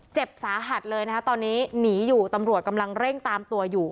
เจ็บสาหัสเลยนะคะตอนนี้หนีอยู่ตำรวจกำลังเร่งตามตัวอยู่